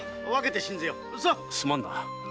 すまんな。